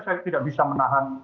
saya tidak bisa menahan